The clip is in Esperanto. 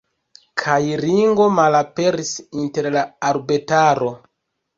Kaj Ringo malaperis inter la arbetaro.